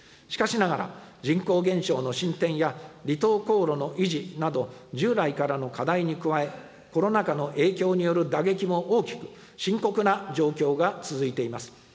しかしながら、人口減少の進展や、離島航路の維持など、従来からの課題に加え、コロナ禍の影響による打撃も大きく、深刻な状況が続いています。